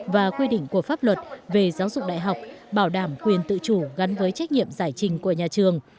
và quy định của pháp luật về giáo dục đại học bảo đảm quyền tự chủ gắn với trách nhiệm giải trình của nhà trường